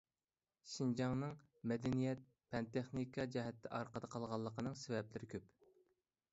شىنجاڭنىڭ مەدەنىيەت، پەن-تېخنىكا جەھەتتە ئارقىدا قالغانلىقىنىڭ سەۋەبلىرى كۆپ.